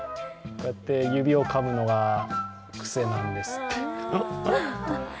こうやって指をかむのが癖なんですって。